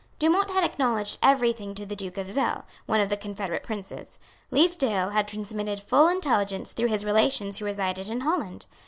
Dumont had acknowledged every thing to the Duke of Zell, one of the confederate princes. Leefdale had transmitted full intelligence through his relations who resided in Holland.